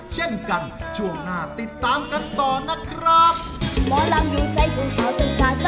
เช่นกันช่วงหน้าติดตามกันต่อนะครับ